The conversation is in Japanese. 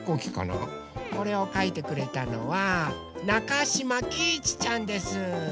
これをかいてくれたのはなかしまきいちちゃんです。